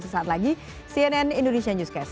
sesaat lagi cnn indonesia newscast